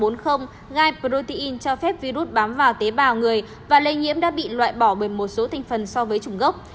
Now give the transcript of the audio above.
gaiprotein cho phép virus bám vào tế bào người và lây nhiễm đã bị loại bỏ bởi một số thành phần so với chủng gốc